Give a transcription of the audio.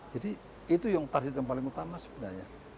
jadi itu yang target yang paling utama sebenarnya